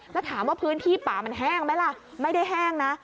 แล้วถามว่าพื้นที่ป่ามันแห้งไหมล่ะไม่ได้แห้งนะ